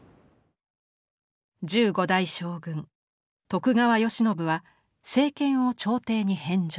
１５代将軍徳川慶喜は政権を朝廷に返上。